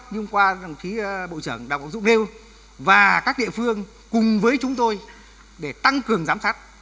như qua thí bộ trưởng đồng úc dũng nêu và các địa phương cùng với chúng tôi để tăng cường giám sát